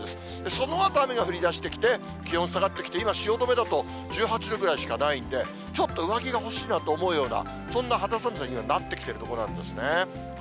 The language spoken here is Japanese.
そのあと雨が降りだしてきて、気温下がってきて、今、汐留だと１８度ぐらいしかないんで、ちょっと上着が欲しいなと思うような、そんな肌寒さにはなってきてるんですね。